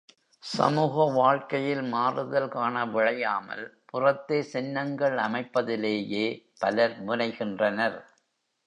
சமூக வாழ்க்கையில் மாறுதல் காண விழையாமல் புறத்தே சின்னங்கள் அமைப்பதிலேயே பலர் முனைகின்றனர்.